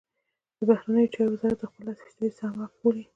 د بهرنیو چارو وزارت د خپل لس فیصدۍ سهم حق بولي.